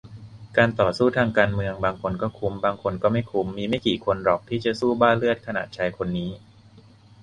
การต่อสู้ทางการเมือง บางคนก็คุ้มบางคนก็ไม่คุ้ม มีไม่กี่คนหรอกที่จะสู้บ้าเลือดขนาดชายคนนี้